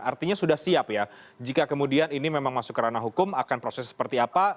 artinya sudah siap ya jika kemudian ini memang masuk ke ranah hukum akan proses seperti apa